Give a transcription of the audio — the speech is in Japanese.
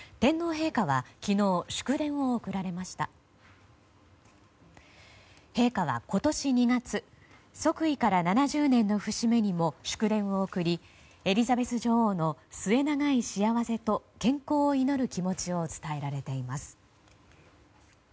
陛下は今年２月即位から７０年の節目にも祝電を送り、エリザベス女王の末長い幸せと健康を祈る気持ちを伝えられています。